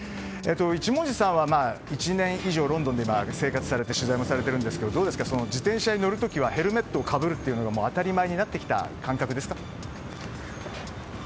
一文字さんは１年以上ロンドンで生活されて取材もしているんですが自転車に乗る時はヘルメットをするのは当たり前になってきていますか。